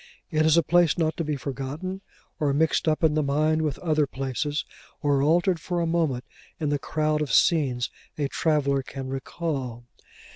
It is a place not to be forgotten or mixed up in the mind with other places, or altered for a moment in the crowd of scenes a traveller can recall.